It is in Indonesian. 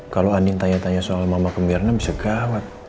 kalau anin tanya tanya soal mama ke mirna bisa gawat